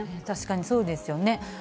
確かにそうですよね。